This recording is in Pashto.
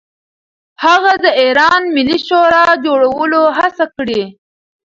هغه د ایران ملي شورا جوړولو هڅه کړې.